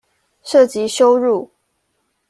涉及羞辱